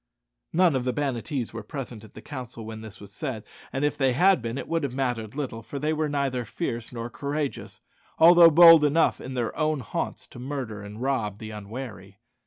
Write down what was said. None of the Banattees were present at the council when this was said; and if they had been it would have mattered little, for they were neither fierce nor courageous, although bold enough in their own haunts to murder and rob the unwary.